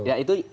ya itu juga